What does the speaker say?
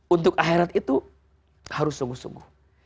untuk akhirat itu harus sungguh sungguh